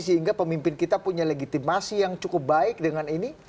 sehingga pemimpin kita punya legitimasi yang cukup baik dengan ini